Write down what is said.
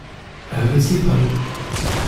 Have a good sleep honey.